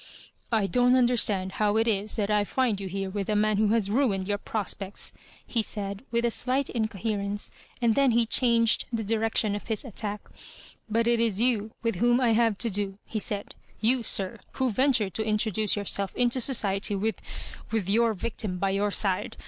" I don't understand how it is that I find you here with the man who has ruined your prospects," he said, with a slight incoherence, and then he changed the direction of his attock. "But it is you with whom I have to do," he said; "you, sir, who venture to introduce yourself into society with — with your victim by your side.